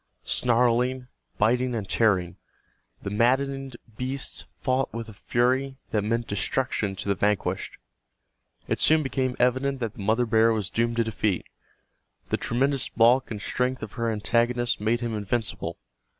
Snarling, biting and tearing, the maddened beasts fought with a fury that meant destruction to the vanquished. It soon became evident that the mother bear was doomed to defeat. The tremendous bulk and strength of her antagonist made him invincible.